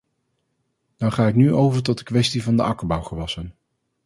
Dan ga ik nu over tot de kwestie van de akkerbouwgewassen.